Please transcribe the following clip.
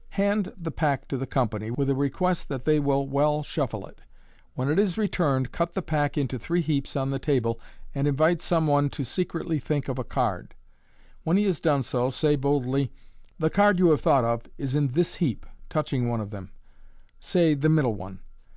— Hand the pack to the company, with a request that they will weil shuffle it. When it is returned, cut the pack into three heaps on the table, and invite some one to secretlv think of a card. MODERN MAGIC. 109 When he has done so, say boldly, " The card you have thought of is in this heap," touching one of them — say the middle one.